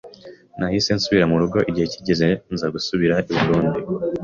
nahise nsubira mu rugo, igihe kigeze nza gusubira I Burundi